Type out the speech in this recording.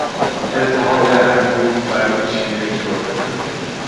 التهاب اندوه براو چیره شد.